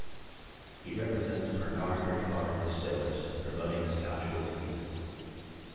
He represents Pernod Ricard distillers, promoting Scotch whiskies.